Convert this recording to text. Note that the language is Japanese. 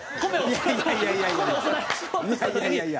いやいやいやいや。